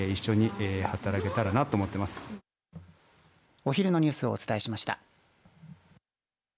お昼のニュースをお伝えしました。